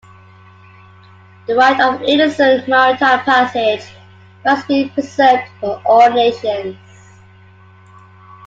The right of innocent, maritime passage must be preserved for all nations.